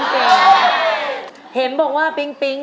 พี่หอยคิดถึงอัปเดตมากเลยนะพี่หอยบอก